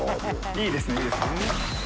いいですね。